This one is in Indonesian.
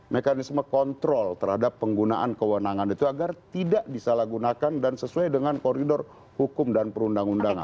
mekanisme kontrol terhadap penggunaan kewenangan itu agar tidak disalahgunakan dan sesuai dengan koridor hukum dan perundang undangan